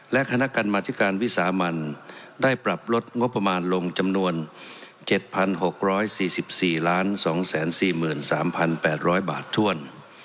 และคณะกรรมธิการวิสามันได้ปรับลดงบประมาณลงจำนวน๗๖๔๔๒๔๓๘๐๐บาทถ้วน